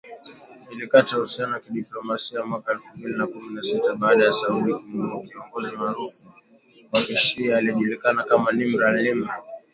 ilikata uhusiano wa kidiplomasia mwaka elfu mbili na kumi na sita. Baada ya Saudi kumuua kiongozi maarufu wa kishia, aliyejulikana kama Nimr al-Nimr.